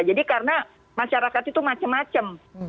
jadi karena masyarakat itu macam macam